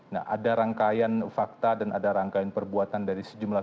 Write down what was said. nah ada rangkaian fakta dan ada rangkaian perbuatan dari sejumlah